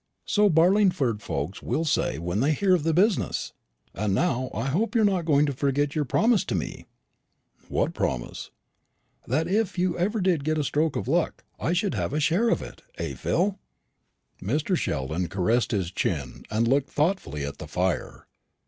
"So Barlingford folks will say when they hear of the business. And now I hope you're not going to forget your promise to me." "What promise?" "That if you ever did get a stroke of luck, I should have a share of it eh, Phil?" Mr. Sheldon caressed his chin, and looked thoughtfully at the fire.